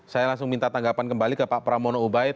saya langsung minta tanggapan kembali ke pak pramono ubaid